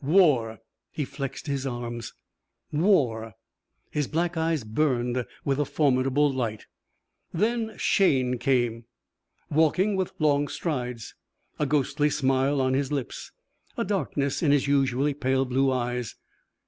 War! He flexed his arms. War. His black eyes burned with a formidable light. Then Shayne came. Walking with long strides. A ghostly smile on his lips. A darkness in his usually pale blue eyes.